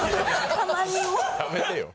たまにもう。